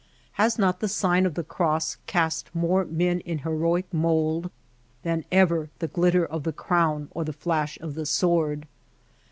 Has not the sign of the cross cast more men in heroic mould than ever the glitter of the crown or the flash of the sword